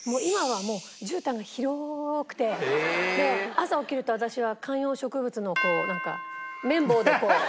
朝起きると私は観葉植物のこうなんか綿棒でこう。